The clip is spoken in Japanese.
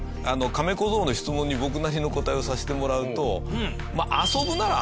カメ小僧の質問に僕なりの答えをさせてもらうと。